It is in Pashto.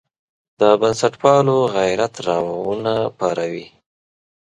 د بنسټپالو غیرت راونه پاروي.